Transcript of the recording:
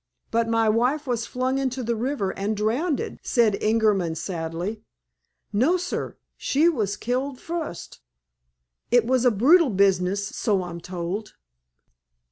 "But my wife was flung into the river and drowned," said Ingerman sadly. "No, sir. She was killed fust. It was a brutal business, so I'm told."